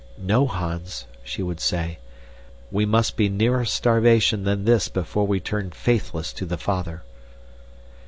"No, Hans," she would say, "we must be nearer starvation than this before we turn faithless to the father!"